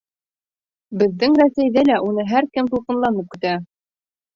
Беҙҙең Рәсәйҙә лә уны һәр кем тулҡынланып көтә.